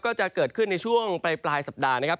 ก็จะเกิดขึ้นในช่วงปลายสัปดาห์นะครับ